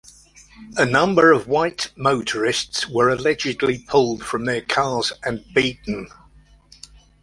A number of white motorists were allegedly pulled from their cars and beaten.